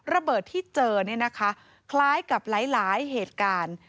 ระเบิดที่เจอคล้ายกับหลายเหตุการณ์